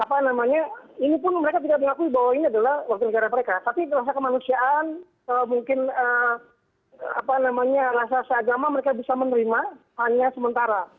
tapi kelasa kemanusiaan mungkin kelasa seagama mereka bisa menerima hanya sementara